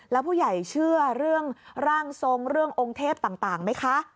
แล้วผู้ใหญ่เชื่อเรื่องร่างทรงเรื่ององค์เทพต่างไหมคะ